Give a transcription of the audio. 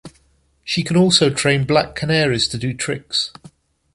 She can also train black canaries to do tricks.